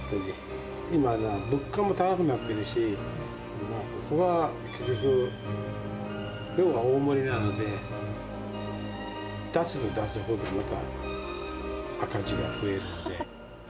今は物価も高くなってるし、ここは結局、量が大盛りなので、出せば出すほど赤字が増えるんで。